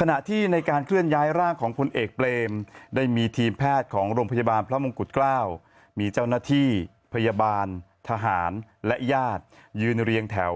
ขณะที่ในการเคลื่อนย้ายร่างของพลเอกเปรมได้มีทีมแพทย์ของโรงพยาบาลพระมงกุฎเกล้ามีเจ้าหน้าที่พยาบาลทหารและญาติยืนเรียงแถว